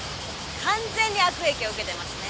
完全に悪影響を受けてますね。